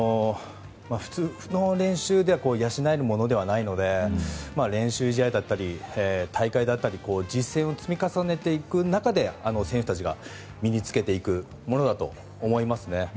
普通の練習で養えるものではないので練習試合だったり大会だったり実戦を積み重ねていく中で選手たちが身に付けていくものだと思いますね。